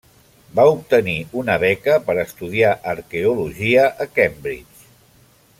Va obtenir una beca per estudiar Arqueologia a Cambridge.